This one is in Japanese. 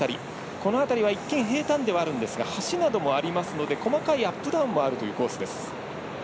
この辺りは一見平たんではあるんですが橋などもありますので細かいアップダウンもあるというコースです。